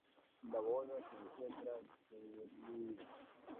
La bóveda se encuentra derruida.